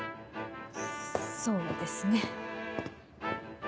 そうですね。